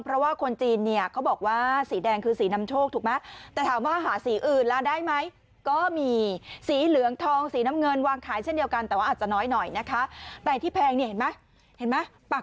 เพราะว่าคนจีนเขาบอกว่าสีแดงคือสีนำโชคถูกไหม